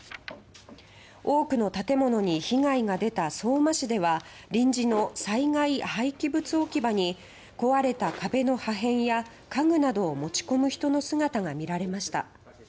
多くの建物に被害が出た相馬市では臨時の災害廃棄物置き場に壊れた壁の破片や家具などを持ち込む人の姿が見られました。